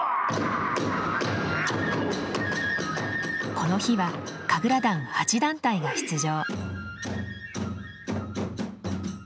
この日は神楽団８団体が出場。